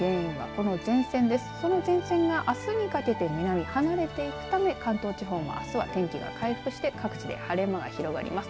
この前線があすにかけて南離れていくため関東地方もあすは天気が回復して各地で晴れ間が広がります。